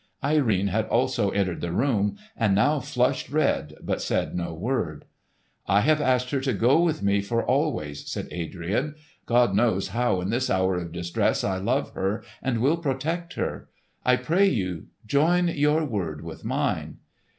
Irene had also entered the room, and now flushed red, but said no word. "I have asked her to go with me for always," said Adrian. "God knows how in this hour of distress I love her and will protect her! I pray you join your word with mine."